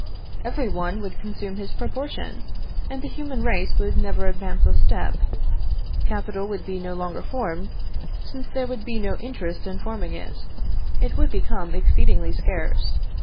Every one would consume his proportion, and the human race would never advance a step. Capital would be no longer formed, since there would be no interest in forming it. It would become exceedingly scarce.